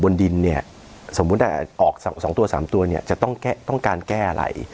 บนดินเนี่ยสมมุติอ่าออกสังสองตัวสามตัวเนี่ยจะต้องแก้ต้องการแก้อะไร